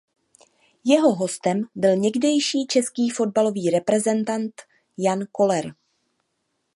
Jeho hostem byl někdejší český fotbalový reprezentant Jan Koller.